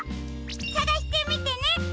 さがしてみてね！